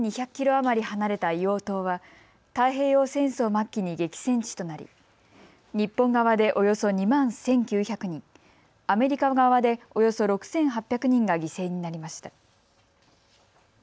余り離れた硫黄島は太平洋戦争末期に激戦地となり日本側でおよそ２万１９００人、アメリカ側でおよそ６８００人が犠牲になりました。